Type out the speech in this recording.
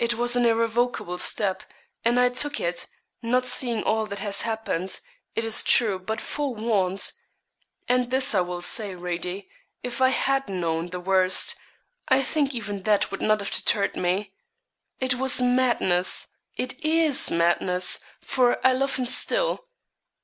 It was an irrevocable step, and I took it, not seeing all that has happened, it is true; but forewarned. And this I will say, Radie, if I had known the worst, I think even that would not have deterred me. It was madness it is madness, for I love him still.